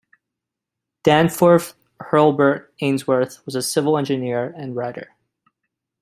Danforth Hurlburt Ainsworth was a civil engineer and writer.